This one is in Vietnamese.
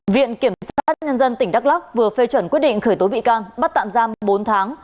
viện kiểm sát nhân dân tỉnh đắk lắc vừa phê chuẩn quyết định khởi tố bị can bắt tạm giam bốn tháng